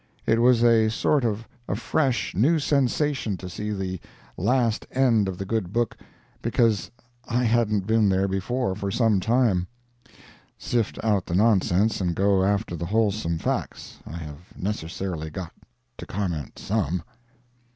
It was a sort of a fresh, new sensation to see the last end of the good book, because I hadn't been there before for some time. [Sift out the nonsense, and go after the wholesome facts. I have necessarily got to comment some.